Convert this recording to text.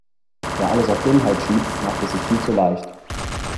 Wer alles auf Dummheit schiebt, macht es sich viel zu leicht.